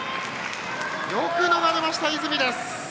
よく逃れました、泉です。